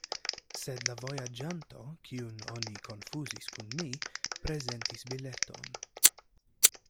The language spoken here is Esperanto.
Sed la vojaĝanto, kiun oni konfuzis kun mi, prezentis bileton.